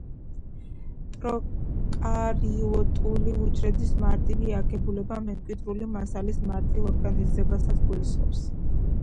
პროკარიოტული უჯრედის მარტივი აგებულება მემკვიდრული მასალის მარტივ ორგანიზებასაც გულისხმობს.